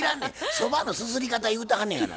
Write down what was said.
そばのすすり方言うてはんのやがな。